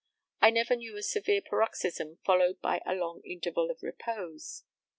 I never knew a severe paroxysm followed by a long interval of repose.